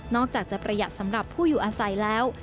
อกจากจะประหยัดสำหรับผู้อยู่อาศัยแล้ว